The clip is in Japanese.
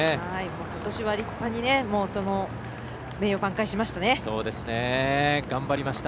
ことしは立派に名誉挽回しました。